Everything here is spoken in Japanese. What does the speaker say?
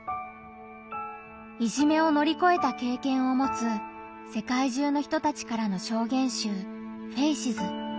いじめを乗り越えた経験を持つ世界中の人たちからの証言集「ＦＡＣＥＳ」。